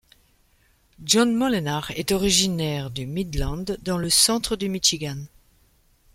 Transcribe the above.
John Moolenaar est originaire de Midland dans le centre du Michigan.